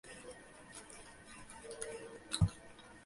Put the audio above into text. বিশেষ কিছু না।